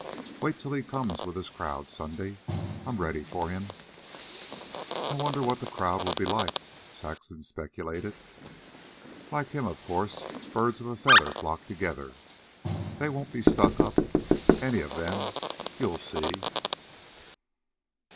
Wait till he comes with his crowd Sunday. I'm ready for him." "I wonder what the crowd will be like," Saxon speculated. "Like him, of course. Birds of a feather flock together. They won't be stuck up, any of them, you'll see."